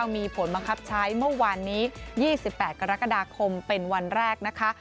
มีผลบังคับใช้เมื่อวานนี้๒๘กรกฎาคมเป็นวันแรกนะคะ